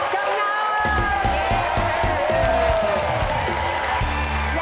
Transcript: จำนำ